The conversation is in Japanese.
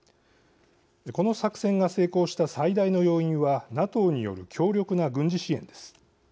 この作戦が成功した最大の要因はＮＡＴＯによる強力な軍事支援です。